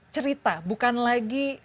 cerita bukan lagi